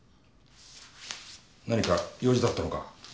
何か用事だったのか？